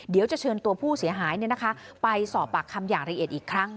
เดี๋ยวจะเชิญตัวผู้เสียหายไปสอบปากคำอย่างละเอียดอีกครั้ง